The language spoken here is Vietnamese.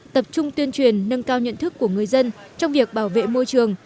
tập trung tuyên truyền nâng cao nhận thức của người dân trong việc bảo vệ môi trường